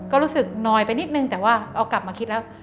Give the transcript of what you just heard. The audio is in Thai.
ก็รู้สึกน้อยไปนิดนึงแต่ว่าเอากลับมาคิดแล้ว